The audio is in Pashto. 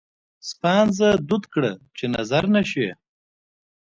سپانځه دود کړه چې نظره نه شي.